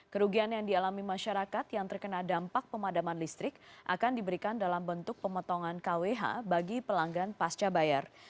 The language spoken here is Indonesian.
kerugian yang dialami masyarakat yang terkena dampak pemadaman listrik akan diberikan dalam bentuk pemotongan kwh bagi pelanggan pasca bayar